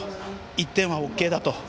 １点はＯＫだと。